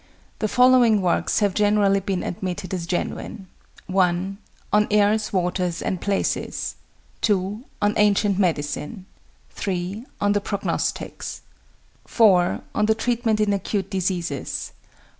The following works have generally been admitted as genuine: 1. On Airs, Waters, and Places. 2. On Ancient Medicine. 3. On the Prognostics. 4. On the Treatment in Acute Diseases.